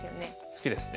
好きですね。